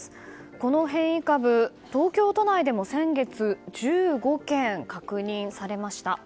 この変異株、東京都内でも先月、１５件確認されました。